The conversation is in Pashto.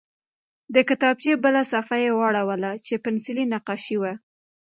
د کتابچې بله صفحه یې واړوله چې پنسلي نقاشي وه